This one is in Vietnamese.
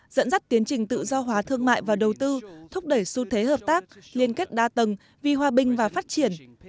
dẫn dắt tiến trình tự do hóa thương mại và đầu tư thúc đẩy xu thế hợp tác liên kết đa tầng vì hòa bình và phát triển